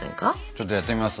ちょっとやってみます？